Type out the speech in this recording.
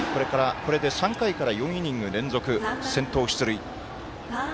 これで３回から４イニング連続先頭出塁。